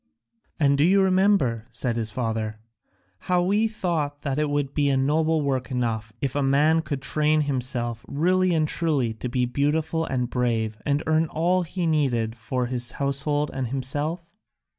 "And do you remember," said his father, "how we thought that it would be a noble work enough if a man could train himself really and truly to be beautiful and brave and earn all he needed for his household and himself?